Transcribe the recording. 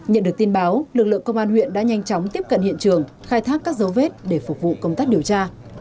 nhận được tin báo lực lượng công an huyện đã nhanh chóng tiếp cận hiện trường khai thác các dấu vết để phục vụ công tác điều tra